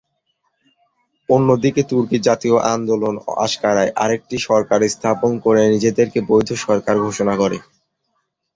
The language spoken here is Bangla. অন্যদিকে তুর্কি জাতীয় আন্দোলন আঙ্কারায় আরেকটি সরকার স্থাপন করে নিজেদেরকে বৈধ সরকার ঘোষণা করে।